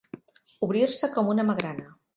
Obrir-se com una magrana.